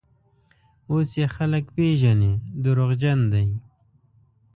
اوس یې خلک پېژني: دروغجن دی.